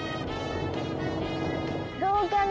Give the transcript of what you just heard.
どうかな？